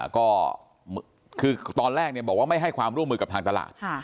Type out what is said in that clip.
ก็คือตอนแรกบอกว่าไม่ให้ความร่วมมือกับทางตลาด